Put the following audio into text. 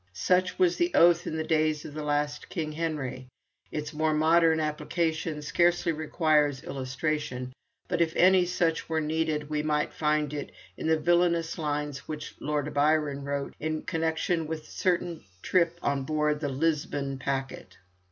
Such was the oath in the days of the last King Henry. Its more modern application scarcely requires illustration, but if any such were needed, we might find it in the villainous lines which Lord Byron wrote in connection with a certain trip on board the Lisbon packet.